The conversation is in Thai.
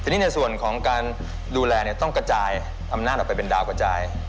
ทีนี้ในส่วนของการดูแลต้องกระจายอำนาจออกไปเป็นดาวกระจาย